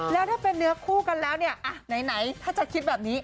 แล้วถ้าเป็นเนื้อคู่กันแล้วเนี่ยไหนถ้าจะคิดแบบนี้